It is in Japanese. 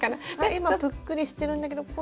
今ぷっくりしてるんだけどこれを。